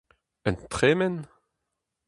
Un tremen ?